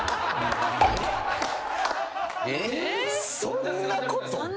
そんなこと。